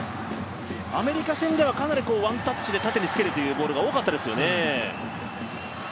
アメリカ戦ではかなりワンタッチで縦につけるというボールが多かったですよね。